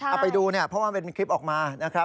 เอาไปดูเพราะว่าเป็นคลิปออกมานะครับ